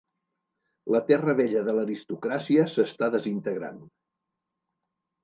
La terra vella de l'aristocràcia s'està desintegrant.